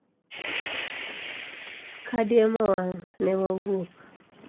Kadiemo wang', ne wawuok.